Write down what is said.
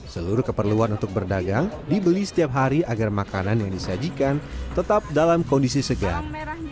seluruh keperluan untuk berdagang dibeli setiap hari agar makanan yang disajikan tetap dalam kondisi segar